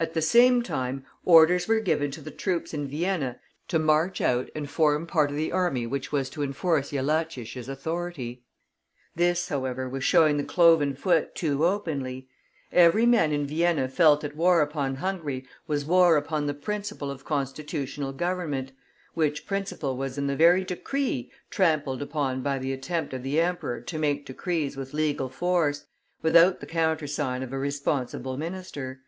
At the same time orders were given to the troops in Vienna to march out and form part of the army which was to enforce Jellachich's authority. This, however, was showing the cloven foot too openly; every man in Vienna felt that war upon Hungary was war upon the principle of constitutional government, which principle was in the very decree trampled upon by the attempt of the emperor to make decrees with legal force, without the countersign of a responsible minister.